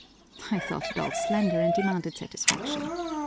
I thought it all a slander and demanded satisfaction.